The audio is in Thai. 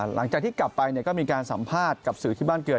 หลังจากที่กลับไปก็มีการสัมภาษณ์กับสื่อที่บ้านเกิด